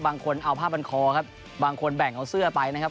บางคนเอาผ้าบันคอครับบางคนแบ่งเอาเสื้อไปนะครับ